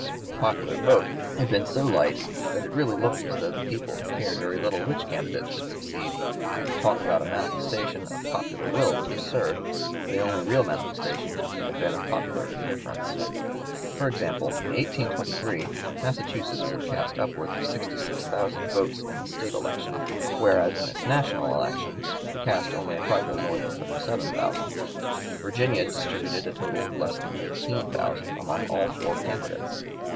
The popular vote had been so light that it really looked as though the people had cared very little which candidate should succeed; and to talk about a manifestation of the popular will was absurd, for the only real manifestation had been of popular indifference. For example, in 1823 Massachusetts had cast upwards of 66,000 votes in the state election, whereas in this national election she cast only a trifle more than 37,000. Virginia distributed (p. 173) a total of less than 15,000 among all four candidates.